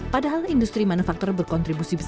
padahal industri manufaktur berkontribusi besar